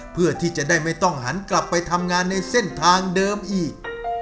เพื่อที่จะได้ไม่ต้องหันกลับไปทำงานในเส้นทางเดิมอีก